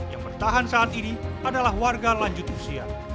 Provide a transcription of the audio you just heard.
yang bertahan saat ini adalah warga lanjut usia